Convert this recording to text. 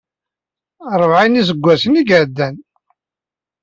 Ṛebɛin n yiseggasen ay iɛeddan.